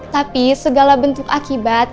tapi segala bentuk akibat